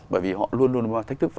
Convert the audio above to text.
bởi vì họ luôn luôn có thách thức